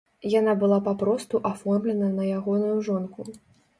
Яна была папросту аформлена на ягоную жонку.